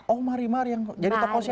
oh marimar yang jadi tokoh siapa